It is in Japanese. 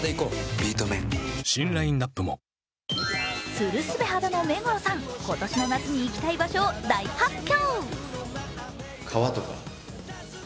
つるすべ肌の目黒さん今年の夏に行きたい場所を大発表。